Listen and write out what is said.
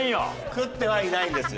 食ってはいないんですよ。